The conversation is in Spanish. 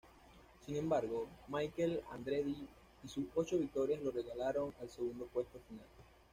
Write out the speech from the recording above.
Sin embargo, Michael Andretti y sus ocho victorias lo relegaron al segundo puesto final.